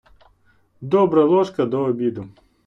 Добра ложка до обіду.